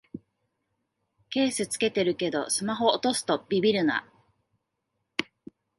ケース付けてるけどスマホ落とすとビビるな